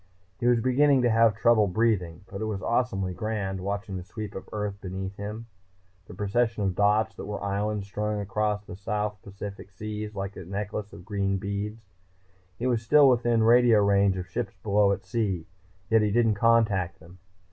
He was beginning to have trouble breathing. But it was awesomely grand, watching the sweep of Earth beneath him, the procession of dots that were islands strung across the Pacific South Seas like a necklace of green beads. He was still within radio range of ships below at sea. Yet he didn't contact them.